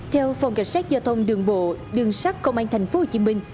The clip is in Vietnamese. theo phòng cảnh sát giao thông đường bộ đường sắt công an tp hcm